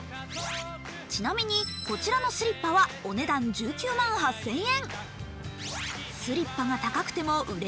ちなみにこちらのスリッパはお値段１９万８０００円。